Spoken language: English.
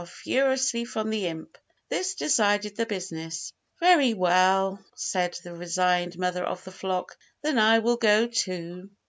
furiously from the imp, this decided the business. "Very well!" said the resigned mother of the flock; "then I will go too!"